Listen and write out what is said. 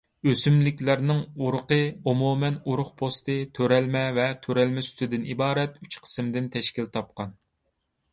ئۆسۈملۈكلەرنىڭ ئۇرۇقى ئومۇمەن ئۇرۇق پوستى، تۆرەلمە ۋە تۆرەلمە سۈتىدىن ئىبارەت ئۈچ قىسىمدىن تەشكىل تاپقان.